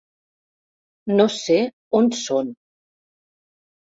No sé on són.